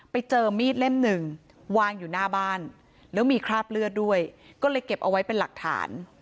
ไปเจอมีดเล่มหนึ่งวางอยู่หน้าบ้านแล้วมีคราบเลือดด้วยก็เลยเก็บเอาไว้เป็นหลักฐาน